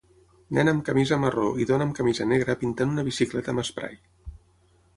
Nen amb camisa marró i dona amb camisa negra pintant una bicicleta amb esprai.